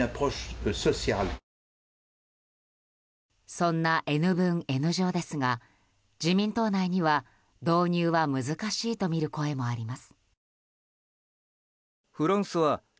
そんなＮ分Ｎ乗ですが自民党内には導入は難しいとみる声もあります。